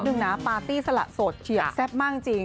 หนึ่งนะปาร์ตี้สละโสดเฉียบแซ่บมากจริง